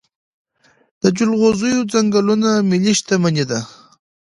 د جلغوزیو ځنګلونه ملي شتمني ده.